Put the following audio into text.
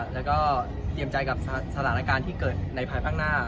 แล้วก็เตรียมใจกับสถานการณ์ที่เกิดในภายข้างหน้า